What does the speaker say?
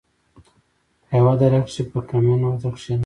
په يوه دره کښې په کمين ورته کښېناستو.